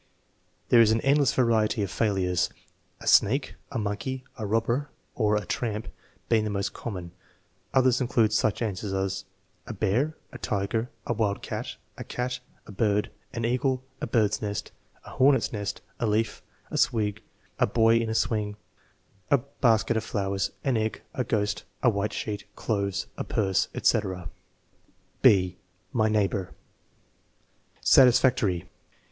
There is an endless variety of failures: "A snake," "A monkey," "A robber," or "A tramp" being the most common. Others include such answers as "A bear," "A tiger," " A wild cat," "A cat," "A bird," "An eagle," "A bird's nest," "A hornet's nest," "A leaf," "A swing," "A boy in a swing," "A bas ket of flowers," "An egg," "A ghost," "A white sheet," "Clothes," "A purse," etc. (6) My neighbor Satisfactory.